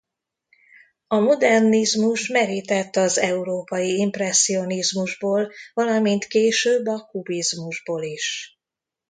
A modernizmus merített az európai impresszionizmusból valamint később a kubizmusból is.